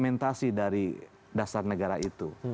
sementasi dari dasar negara itu